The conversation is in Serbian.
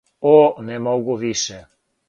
О, не могу више!